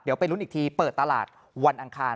เดี๋ยวไปลุ้นอีกทีเปิดตลาดวันอังคาร